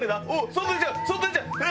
外出ちゃう！